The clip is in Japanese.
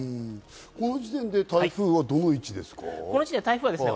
この時点で台風はどの位置ですか？